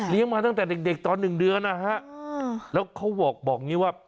มาตั้งแต่เด็กตอนหนึ่งเดือนนะฮะแล้วเขาบอกบอกอย่างนี้ว่า